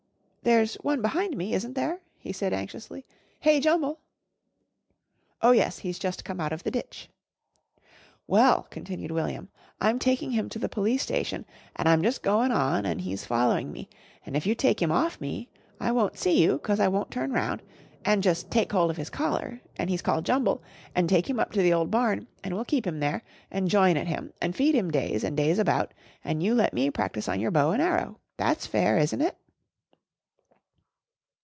"There's one behind me, isn't there," he said anxiously. "Hey, Jumble!" "Oh, yes, he's just come out of the ditch." "Well," continued William, "I'm taking him to the Police Station and I'm just goin' on an' he's following me and if you take him off me I won't see you 'cause I won't turn round and jus' take hold of his collar an' he's called Jumble an' take him up to the old barn and we'll keep him there an' join at him and feed him days and days about and you let me practice on your bow and arrow. That's fair, isn't it?"